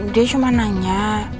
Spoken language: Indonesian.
dia cuma nanya